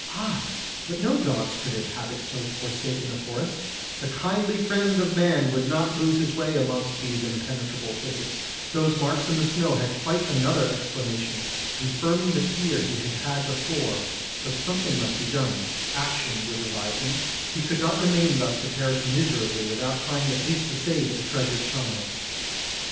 Ah! but no dogs could inhabit so forsaken a forest; the kindly friend of man would not lose his way amongst these impenetrable thickets; those marks in the snow had quite another explanation, confirming the fear he had had before; but something must be done: action would revive him, he could not remain thus to perish miserably without trying at least to save the treasured child.